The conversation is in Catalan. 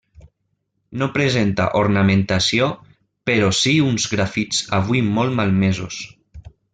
No presenta ornamentació però si uns grafits avui molt malmesos.